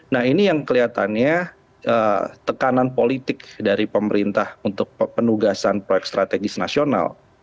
nah ini yang kelihatannya tekanan politik dari pemerintah untuk penugasan proyek strategis nasional